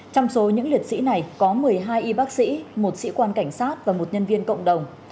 trong số những liệt sĩ này có một mươi hai y bác sĩ một sĩ quan cảnh sát và một nhân viên cộng đồng